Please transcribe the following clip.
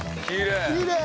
きれい。